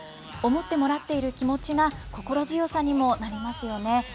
思ってもらっている気持ちが、心強さにもなりますよね。